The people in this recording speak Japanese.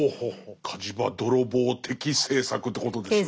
火事場泥棒的政策ということですね。